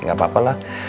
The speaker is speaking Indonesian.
nggak apa apa lah